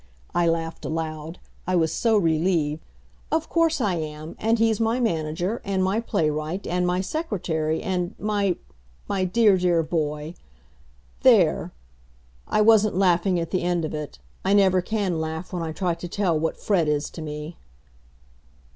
I laughed aloud. I was so relieved. "Of course I am, and he's my manager, and my playwright, and my secretary, and my my dear, dear boy. There!" I wasn't laughing at the end of it. I never can laugh when I try to tell what Fred is to me.